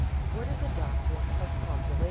WHAT IS A DOCTRINE OF POPULATION?